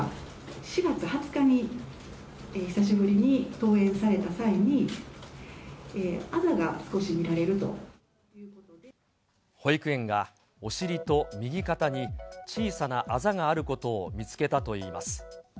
４月２０日に久しぶりに登園された際に、保育園がお尻と右肩に、小さなあざがあることを見つけたといいます。